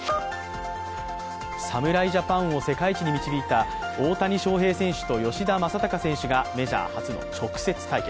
侍ジャパンを世界一に導いた大谷翔平選手と吉田正尚選手がメジャー初の直接対決。